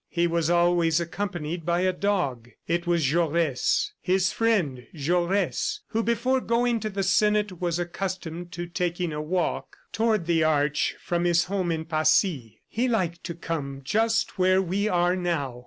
He was always accompanied by a dog. It was Jaures, his friend Jaures, who before going to the senate was accustomed to taking a walk toward the Arch from his home in Passy. "He liked to come just where we are now!